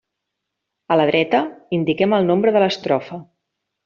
A la dreta indiquem el nombre de l'estrofa.